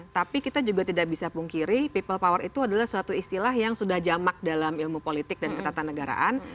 tapi kita juga tidak bisa pungkiri people power itu adalah suatu istilah yang sudah jamak dalam ilmu politik dan ketatanegaraan